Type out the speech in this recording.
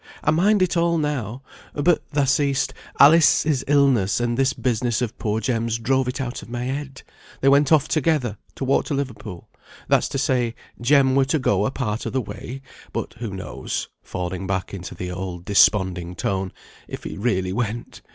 I mind it all now; but, thou seest, Alice's illness, and this business of poor Jem's, drove it out of my head; they went off together, to walk to Liverpool; that's to say, Jem were to go a part o' th' way. But, who knows" (falling back into the old desponding tone) "if he really went?